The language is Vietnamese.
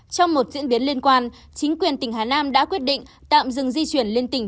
trong một diễn biến liên quan chính quyền tỉnh hà nam đã quyết định tạm dừng di chuyển lên tỉnh